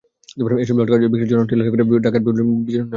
এসব জাটকা বিক্রির জন্য ট্রলারে করে ঢাকার বিভিন্ন বাজারে নেওয়া হচ্ছে।